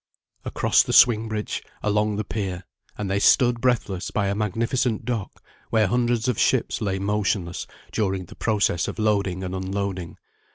Across the swing bridge, along the pier, and they stood breathless by a magnificent dock, where hundreds of ships lay motionless during the process of loading and unloading.